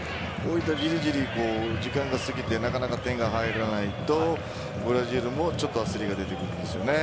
じりじり時間が過ぎてなかなか点が入らないとブラジルもちょっと焦りが出てくるんですよね。